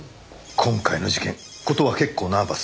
今回の事件事は結構ナーバス。